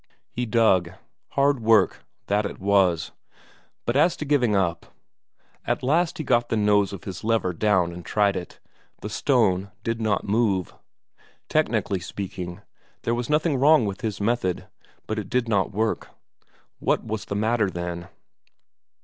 He dug. Hard work, that it was, but as to giving up ... At last he got the nose of his lever down and tried it; the stone did not move. Technically speaking, there was nothing wrong with his method, but it did not work. What was the matter, then?